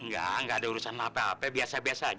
enggak enggak ada urusan apa apa biasa biasa aja